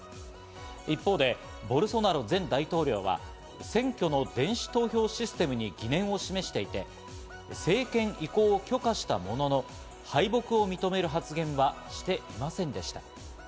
一方でボルソナロ前大統領は選挙の電子投票システムに疑念を示していて、政権移行を許可したものの、敗北を認める発言はしていませんでした。